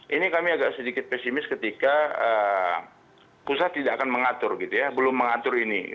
ini kami agak sedikit pesimis ketika pusat tidak akan mengatur gitu ya belum mengatur ini